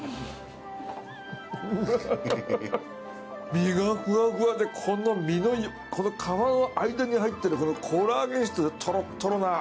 身がフワフワでこの身のこの皮の間に入ってるこのコラーゲン質がトロットロな。